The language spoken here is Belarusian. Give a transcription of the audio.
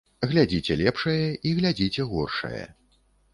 Глядзіце лепшае і глядзіце горшае.